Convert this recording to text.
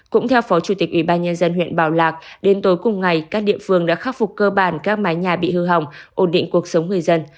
cũng theo phó chủ tịch ubnd huyện bảo lạc đến tối cùng ngày các địa phương đã khắc phục cơ bản các mái nhà bị hư hỏng ổn định cuộc sống người dân